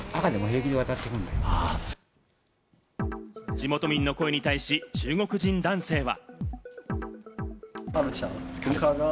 地元民の声に対し、中国人男性は。